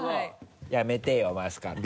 やめてよマスカットは。